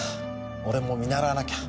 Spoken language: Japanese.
俺も見習わなきゃ。